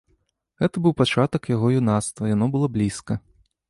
Гэта быў пачатак яго юнацтва, яно было блізка.